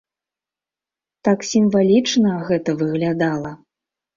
Так сімвалічна гэта выглядала.